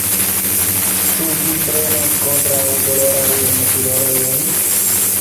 Ĉu vi prenas kontraŭ-dolorajn pilolojn?